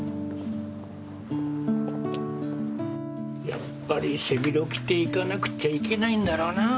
やっぱり背広着ていかなくちゃいけないんだろうなぁ。